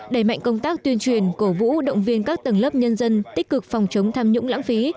đẩy mạnh công tác tuyên truyền cổ vũ động viên các tầng lớp nhân dân tích cực phòng chống tham nhũng lãng phí